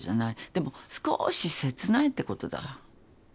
でもすこーし切ないってことだ。